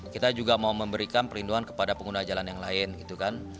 kita juga mau memberikan perlindungan kepada pengguna jalan yang lain gitu kan